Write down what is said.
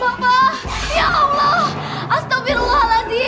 ya allah astagfirullahaladzim astagfirullahaladzim